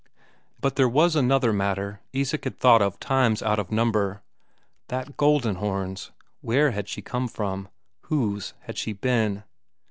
But there was another matter Isak had thought of times out of number: that Goldenhorns, where had she come from, whose had she been?